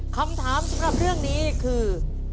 คำถามสำหรับเรื่องนี้คือ